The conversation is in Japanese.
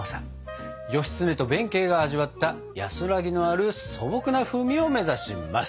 義経と弁慶が味わった安らぎのある素朴な風味を目指します！